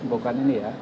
bukan ini ya